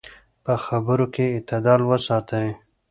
په خبرو کې اعتدال وساتئ.